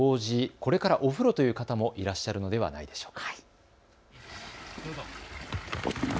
これからお風呂という方もいらっしゃるのではないでしょうか。